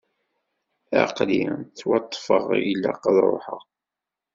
Aql-i ttwaṭṭfeɣ, ilaq ad ruḥeɣ.